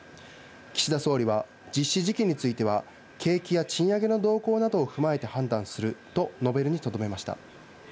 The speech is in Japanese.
岸田総理は、実施時期については景気や賃上げの動向などを踏まえて判断すると述べるにとどめました。